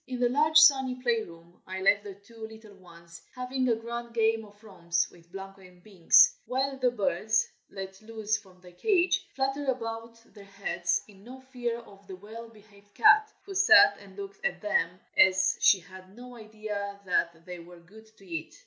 In the large, sunny play room I left the two little ones, having a grand game of romps with Blanco and Binks, while the birds, let loose from their cage, fluttered about their heads, in no fear of the well behaved cat, who sat and looked at them as if she had no idea that they were good to eat.